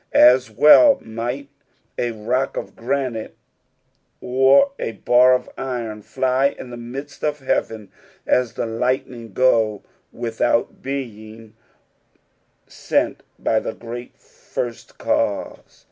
As well might a rock of granite, nr n bar of iron fij in the midst of^ heaven, as the lightoing go without being wot by the great First Cause.